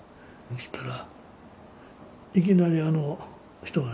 そしたらいきなりあの人がね